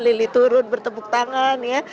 lili turun bertepuk tangan ya